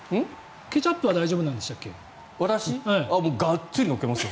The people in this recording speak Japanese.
ケチャップは大丈夫なんでしたっけ？